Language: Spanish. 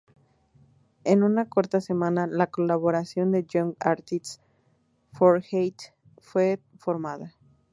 En una corta semana, la colaboración de Young Artists for Haiti fue formada.